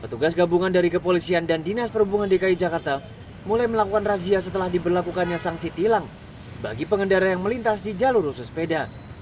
petugas gabungan dari kepolisian dan dinas perhubungan dki jakarta mulai melakukan razia setelah diberlakukannya sanksi tilang bagi pengendara yang melintas di jalur khusus sepeda